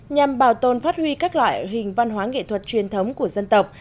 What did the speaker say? nhằm bảo tồn phát huy các loại hình văn hóa nghệ thuật truyền thống của dân tộc